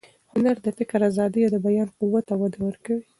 هنر د فکر ازادي او د بیان قوت ته وده ورکوي.